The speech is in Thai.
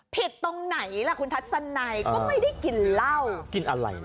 ผิดตรงไหนล่ะคุณทัชสันไหนก็ไม่ได้กินเหล้ากินอะไร